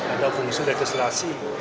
ada fungsi legislasi